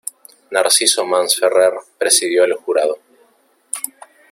Narciso Masferrer presidió el jurado.